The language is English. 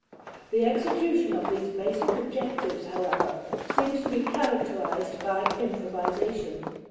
The execution of these basic objectives, however, seemed to be characterized by improvisation.